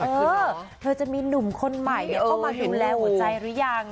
เธอเธอจะมีหนุ่มคนใหม่เข้ามาดูแลหัวใจหรือยัง